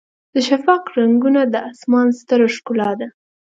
د شفق رنګونه د اسمان ستره ښکلا ده.